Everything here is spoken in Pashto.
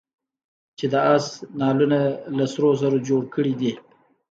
چا د آس نعلونه له سرو زرو جوړ کړي دي.